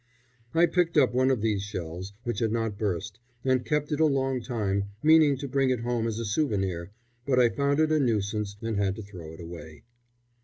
I picked up one of these shells, which had not burst, and kept it a long time, meaning to bring it home as a souvenir, but I found it a nuisance and had to throw it away.